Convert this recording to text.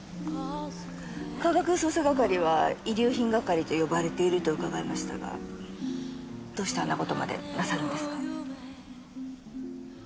科学捜査係は遺留品係と呼ばれていると伺いましたがどうしてあんな事までなさるんですか？